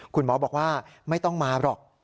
คุณหมอบอกว่าไม่ต้องมาหรอก